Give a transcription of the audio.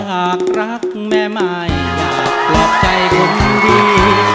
อยากรักแม่ใหม่อยากปลอดภัยคนดี